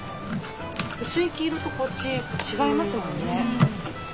薄い黄色とこっち違いますもんね。